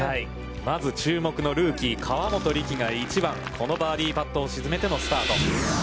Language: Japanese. まず注目のルーキー、河本力が１番、このバーディーパットを沈めたスタート。